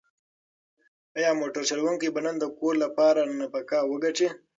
ایا موټر چلونکی به نن د کور لپاره نفقه وګټي؟